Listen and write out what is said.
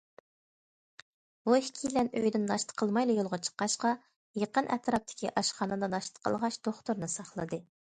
بۇ ئىككىيلەن ئۆيدىن ناشتا قىلمايلا يولغا چىققاچقا، يېقىن ئەتراپتىكى ئاشخانىدا ناشتا قىلغاچ دوختۇرنى ساقلىدى.